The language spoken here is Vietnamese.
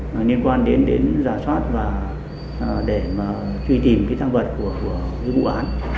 liên quan đến giả soát và để truy tìm cái thang vật của cái vụ án